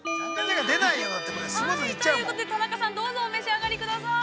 ◆ということで、田中さん、どうぞお召し上がりください。